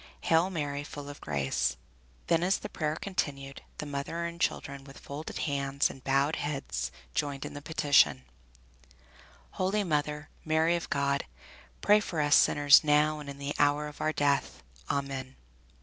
"Hail, Mary, full of Grace." Then, as the prayer continued, the mother and children with folded hands and bowed heads joined in the petition: "Holy Mary, Mother of God, pray for us sinners now and in the hour of our death, Amen."